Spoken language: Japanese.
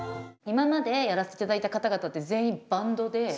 今までやらせていただいた方々って全員バンドで。